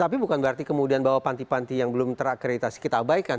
tapi bukan berarti kemudian bahwa panti panti yang belum terakreditasi kita abaikan